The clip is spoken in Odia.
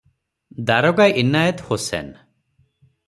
ଦାରୋଗା ଇନାଏତ ହୋସେନ